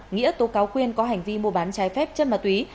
nghĩa tố cáo quyên có hành vi mua bán chai phép chân mà túy